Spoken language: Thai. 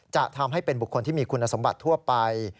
จะทำให้เป็นบุคคลที่มีคุณสมบัติทั่วไป